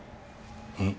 うん？